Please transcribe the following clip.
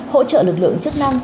hỗ trợ lực lượng chức năng